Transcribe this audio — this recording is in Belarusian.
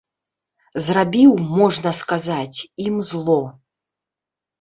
Зрабіў, можна сказаць, ім зло.